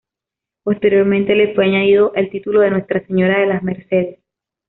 Posteriormente, le fue añadido el título de Nuestra Señora de las Mercedes.